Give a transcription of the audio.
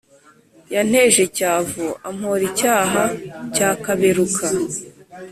yanteje cyavu ampora icyaha cya kaberuka